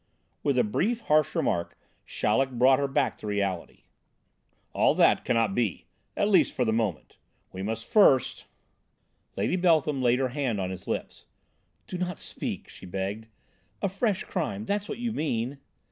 With a brief, harsh remark, Chaleck brought her back to reality. "All that cannot be, at least for the moment, we must first " Lady Beltham laid her hand on his lips. "Do not speak!" she begged. "A fresh crime that's what you mean?"